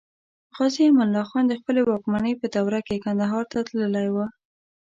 غازي امان الله خان د خپلې واکمنۍ په دوره کې کندهار ته تللی و.